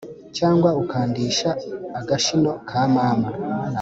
cyangwa ukandisha agashino ka mama